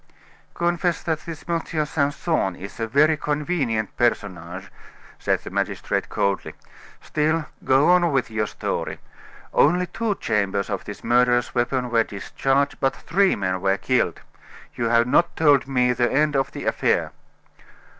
"Confess that this M. Simpson is a very convenient personage," said the magistrate coldly. "Still, go on with your story. Only two chambers of this murderous weapon were discharged, but three men were killed. You have not told me the end of the affair."